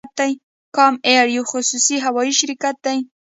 کام ایر یو خصوصي هوایی شرکت دی